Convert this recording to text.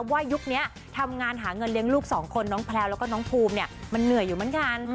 ยุคนี้ทำงานหาเงินเลี้ยงลูกสองคนน้องแพลวแล้วก็น้องภูมิเนี่ยมันเหนื่อยอยู่เหมือนกัน